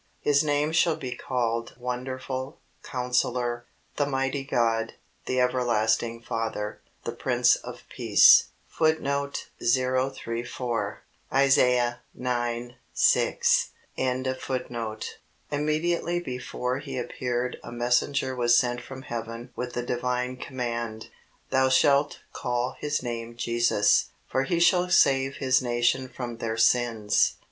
"His name shall be called Wonderful, Counsellor, the Mighty God, the Everlasting Father, the Prince of Peace." Immediately before He appeared a messenger was sent from heaven with the Divine command, "Thou shalt call his name Jesus: for he shall save his people from their sins."